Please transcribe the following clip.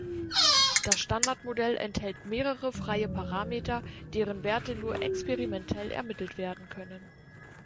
Das Standardmodell enthält mehrere freie Parameter, deren Werte nur experimentell ermittelt werden können.